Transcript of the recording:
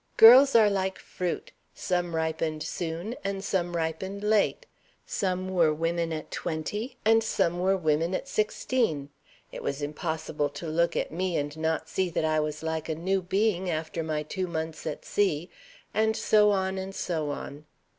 'Girls were like fruit; some ripened soon, and some ripened late. Some were women at twenty, and some were women at sixteen. It was impossible to look at me, and not see that I was like a new being after my two months at sea,' and so on and so on.